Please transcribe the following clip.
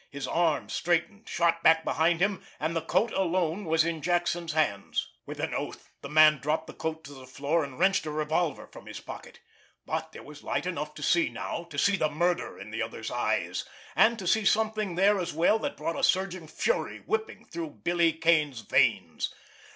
His arms, straightened, shot back behind him—and the coat alone was in Jackson's hands. With an oath, the man dropped the coat to the floor, and wrenched a revolver from his pocket. But there was light enough to see now—to see the murder in the other's eyes—and to see something there as well that brought a surging fury whipping through Billy Kane's veins.